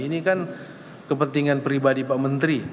ini kan kepentingan pribadi pak menteri